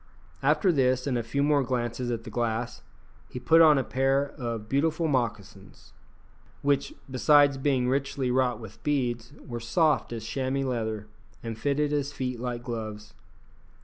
After this, and a few more glances at the glass, he put on a pair of beautiful moccasins, which, besides being richly wrought with beads, were soft as chamois leather and fitted his feet like gloves.